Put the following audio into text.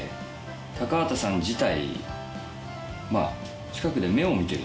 高畑さん自体。